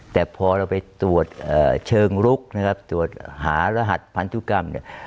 แต่พอเราไปตรวจเชิงลุกนะครับตรวจหารพันธุกรรมเนี่ย